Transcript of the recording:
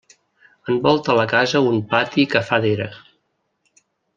Envolta la casa un pati que fa d'era.